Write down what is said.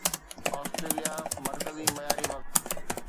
Australia مرڪزي معياري وقت